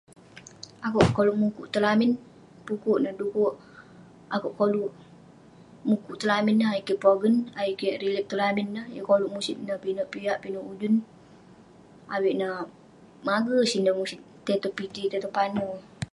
Akouk koluk mukuk tong lamin. Pukuk neh dekuk akouk koluk mukuk tong lamin neh ayuk kik pogen, ayuk kik relax tong lamin neh. Yeng koluk musit neh pinek piak, pinek ujun. Avik neh mager sin dan musit, tai tong piti tai tong pane.